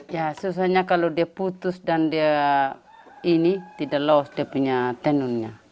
ya susahnya kalau dia putus dan dia ini tidak los dia punya tenunnya